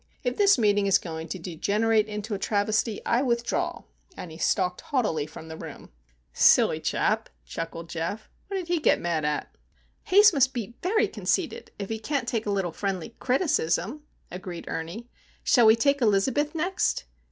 If this meeting is going to degenerate into a travesty, I withdraw." And he stalked haughtily from the room. "Silly chap!" chuckled Geof. "What did he get mad at?" "Haze must be very conceited, if he can't stand a little friendly criticism," agreed Ernie. "Shall we take Elizabeth next?"